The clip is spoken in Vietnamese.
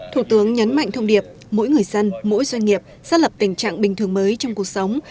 thủ tướng nhấn mạnh thông điệp mỗi người dân mỗi doanh nghiệp xác lập tình trạng bình thường mới trong cuộc sống